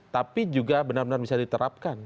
tapi juga benar benar bisa diterapkan